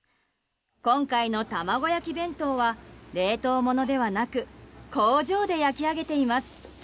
今回の玉子焼弁当は冷凍ものではなく工場で焼き上げています。